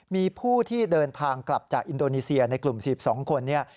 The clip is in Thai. มีผู้ที่เดินทางกลับจากอินโดนีเซียในกลุ่ม๑๒คนเนี่ย